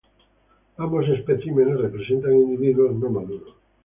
Ambos especímenes representan individuos no maduros.